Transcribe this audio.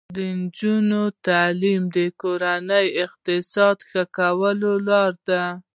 د نجونو تعلیم د کورنۍ اقتصاد ښه کولو لاره ده.